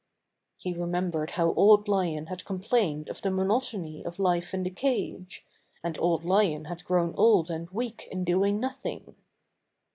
He remembered how Old Lion had com plained of the monotony of life in the cage, and Old Lion had grown old and weak in doing nothing.